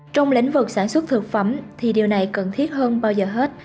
trong lĩnh vực sản xuất thực phẩm thì điều này cần thiết hơn bao giờ hết